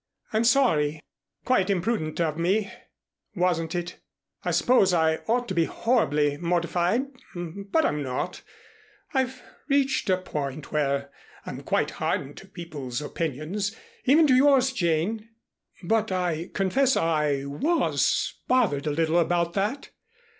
I'm sorry. Quite imprudent of me, wasn't it? I suppose I ought to be horribly mortified, but I'm not. I've reached a point where I'm quite hardened to people's opinions even to yours, Jane. But I confess I was bothered a little about that.